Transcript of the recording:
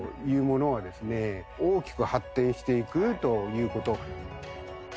大きく発展していくという事。